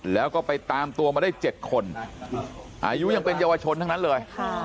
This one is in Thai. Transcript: แล้วก็ไปตามตัวมาได้๗คนอายุยังเป็นเยาวชนทั้งนั้นเลย